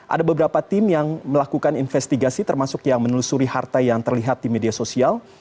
ada beberapa tim yang melakukan investigasi termasuk yang menelusuri harta yang terlihat di media sosial